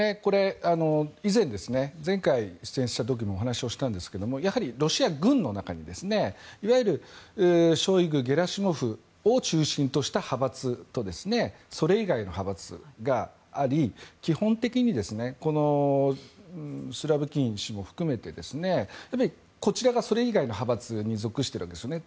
以前、前回出演した時もお話をしたんですがやはりロシア軍の中にいわゆるショイグ、ゲラシモフを中心とした派閥とそれ以外の派閥があり基本的にこのスロビキン氏も含めてこちらがそれ以外の派閥に属しているわけですよね。